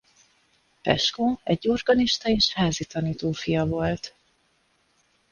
Peschko egy orgonista és házitanító fia volt.